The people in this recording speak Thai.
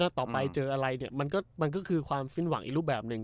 ถ้าต่อไปเจออะไรเนี่ยมันก็มันก็คือความสิ้นหวังอีกรูปแบบนึง